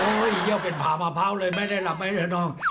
โอ๊ยเยี่ยวเป็นผามะพร้าวเลยไม่ได้หลับไม่ได้นอน